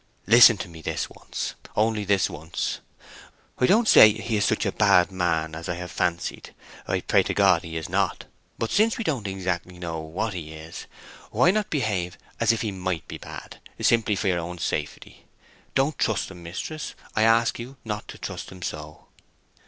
Listen to me this once—only this once! I don't say he's such a bad man as I have fancied—I pray to God he is not. But since we don't exactly know what he is, why not behave as if he might be bad, simply for your own safety? Don't trust him, mistress; I ask you not to trust him so."